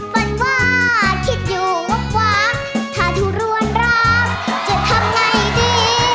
ฝันว่าคิดอยู่วับถ้าทุรวนรักจะทำไงดี